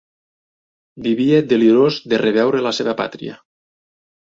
Vivia delirós de reveure la seva pàtria.